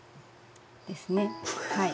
ですねはい。